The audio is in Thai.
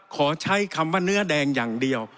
ขอใช้คำว่าเนื้อแดงอย่างเดียว